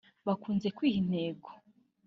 bakunze kwiha intego